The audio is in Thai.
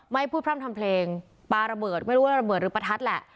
ไม่พูดพร่ำทำเพลงปลาระเบิดไม่รู้ว่าระเบิดหรือประทัดแหละ